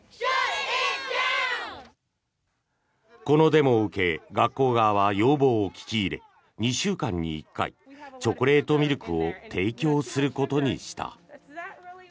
このデモを受け学校側は要望を聞き入れ２週間に１回チョコレートミルクを提供することにした。